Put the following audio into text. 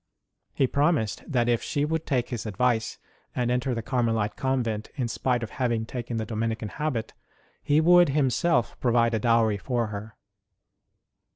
He promised that if she would take his advice and enter the Carmelite convent in spite of having taken the Dominican habit, he would himself provide a dowry for her.